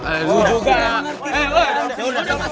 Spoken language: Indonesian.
udah masuk baru